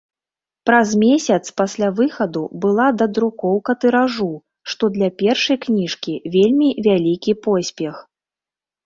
Праз месяц пасля выхаду была дадрукоўка тыражу, што для першай кніжкі вельмі вялікі поспех.